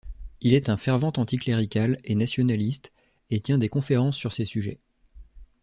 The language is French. Il est un fervent anticlérical et nationaliste et tient des conférences sur ces sujets.